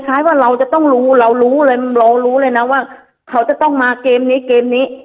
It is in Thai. แม้ว่าเราจะต้องรู้เรารู้เลยนะว่าเขาจะต้องมาเกมนี้เกมนี้